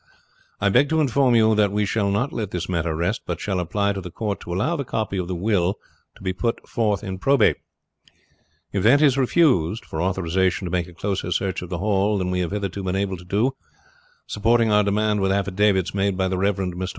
I beg to inform you that we shall not let this matter rest, but shall apply to the court to allow the copy of the will to be put in for probate; if that is refused, for authorization to make a closer search of the Hall than we have hitherto been able to do, supporting our demand with affidavits made by the Rev. Mr.